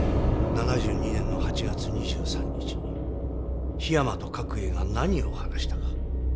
７２年の８月２３日に檜山と角栄が何を話したか。